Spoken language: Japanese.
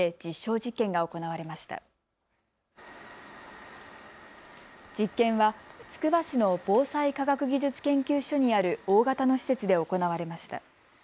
実験はつくば市の防災科学技術研究所にある大型の施設で行われました。